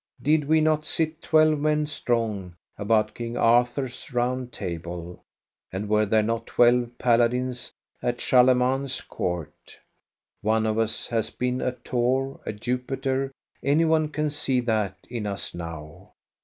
Did we not sit twelve men strong about King Arthur's Round Table, and were there not twelve paladins at Charlemagne's court? One of us has been a Thor, a Jupiter; any one can see that in us now.